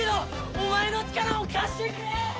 お前の力を貸してくれ！